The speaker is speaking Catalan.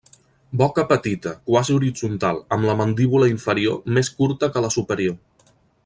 Boca petita, quasi horitzontal, amb la mandíbula inferior més curta que la superior.